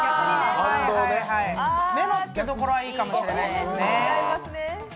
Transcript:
目のつけどころはいいかもしれないですね。